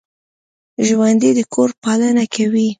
ژوندي د کور پالنه کوي